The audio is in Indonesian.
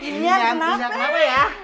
inian kenapa ya